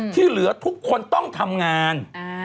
ที่เหลือทุกคนต้องทำงาน